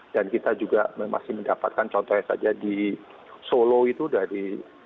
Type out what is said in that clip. dan kita juga masih mendapatkan contohnya saja di solo itu dari